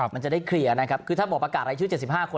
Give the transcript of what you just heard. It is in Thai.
มันจะได้เคลียร์นะครับคือถ้าบอกประกาศรายชื่อ๗๕คน